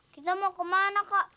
kita mau kemana kak